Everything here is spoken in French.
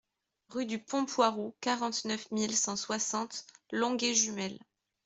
Rue du Pont Poiroux, quarante-neuf mille cent soixante Longué-Jumelles